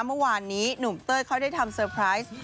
เมื่อวานนี้หนุ่มเต้ยเขาได้ทำเซอร์ไพรส์